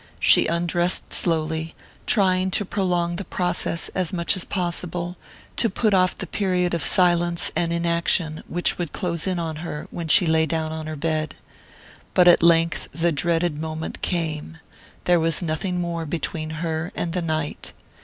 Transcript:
She undressed slowly, trying to prolong the process as much as possible, to put off the period of silence and inaction which would close in on her when she lay down on her bed. But at length the dreaded moment came there was nothing more between her and the night.